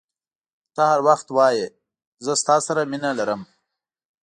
ته هر وخت وایي زه ستا سره مینه لرم.